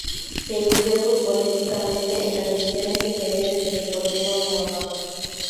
Se inició futbolísticamente en las divisiones inferiores del Deportivo Morón.